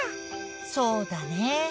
そうだね。